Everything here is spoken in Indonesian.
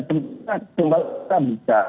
kalau kita bisa